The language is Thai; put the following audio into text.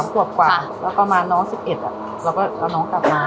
ประมาณน้องสิบเอ็ดเราก็เอาน้องกลับบ้าน